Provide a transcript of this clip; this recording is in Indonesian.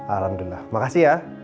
alhamdulillah makasih ya